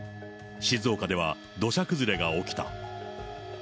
静岡では土砂崩れが起きた。